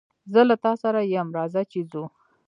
زه له تاسره ېم رازه چې ځو